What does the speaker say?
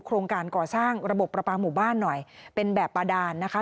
โครงการก่อสร้างระบบประปาหมู่บ้านหน่อยเป็นแบบบาดานนะคะ